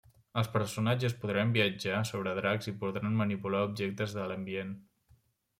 Els personatges podran viatjar sobre dracs, i podran manipular objectes de l'ambient.